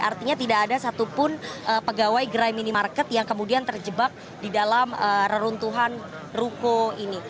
artinya tidak ada satupun pegawai gerai minimarket yang kemudian terjebak di dalam reruntuhan ruko ini